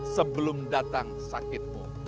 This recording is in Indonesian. sebelum datang sakitmu